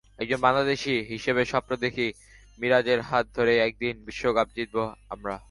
একজন বাংলাদেশি হিসেবে স্বপ্ন দেখি—মিরাজের হাত ধরেই একদিন বিশ্বকাপ জিতব আমরা।